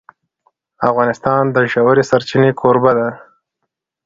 افغانستان د ژورې سرچینې کوربه دی.